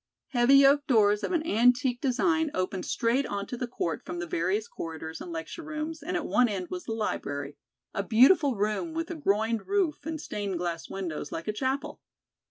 Heavy oak doors of an antique design opened straight onto the court from the various corridors and lecture rooms and at one end was the library, a beautiful room with a groined roof and stained glass windows, like a chapel.